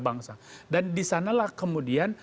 bangsa dan disanalah kemudian